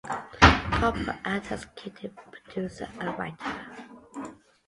Karp will act as Executive Producer and writer.